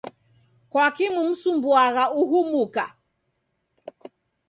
Kwaki mumsumbuagha uhu muka?